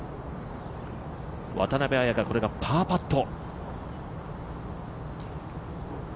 渡邉彩香、これがパーパット。